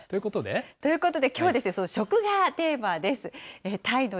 ということできょうは、食がテーマです。